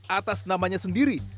atas namanya sendiri